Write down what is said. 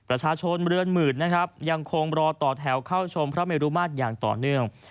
ประชาชนเรือนหมื่นนะครับยังคงรอต่อแถวเข้าชมพระเมรุมาตรอย่างต่อเนื่อง